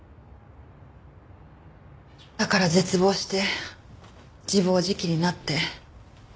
だから絶望して自暴自棄になって。